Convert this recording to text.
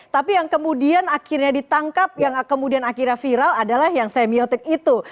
tapi yang kemudian akhirnya ditangkap yang kemudian akhirnya viral adalah yang semiotik itu